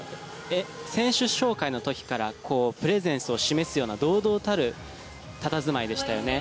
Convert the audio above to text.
選手紹介の時からプレゼンスを示すような堂々たる佇まいでしたよね。